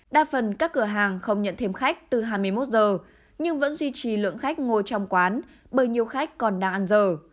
đa phần các cửa hàng không nhận thêm khách từ hai mươi một giờ nhưng vẫn duy trì lượng khách ngồi trong quán bởi nhiều khách còn đang ăn giờ